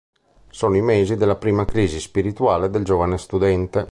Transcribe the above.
Sono i mesi della prima crisi spirituale del giovane studente.